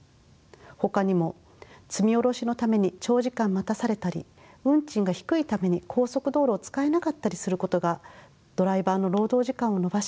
ほかにも積み降ろしのために長時間待たされたり運賃が低いために高速道路を使えなかったりすることがドライバーの労働時間を延ばし